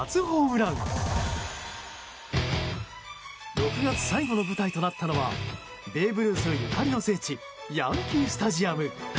６月最後の舞台となったのはベーブ・ルースゆかりの聖地ヤンキー・スタジアム。